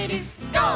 ゴー！」